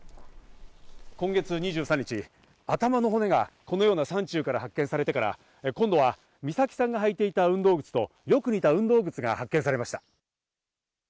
今月２３日、頭の骨がこのような山中から発見されてから、今度は美咲さんが履いていた運動靴とよく似た運動靴が発見されました。